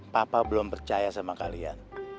papa belum percaya sama kalian